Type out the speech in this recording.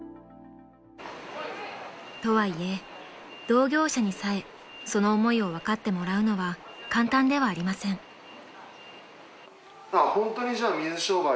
［とはいえ同業者にさえその思いを分かってもらうのは簡単ではありません］なるほど。